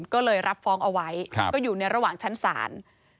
ก็เลยรับฟ้องเอาไว้ก็อยู่ในระหว่างชั้นศาล